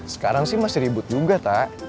sekarang sih masih ribut juga tak